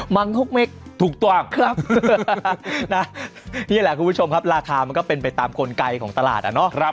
ังทุกเม็กถูกต้องครับนะนี่แหละคุณผู้ชมครับราคามันก็เป็นไปตามกลไกของตลาดอ่ะเนาะ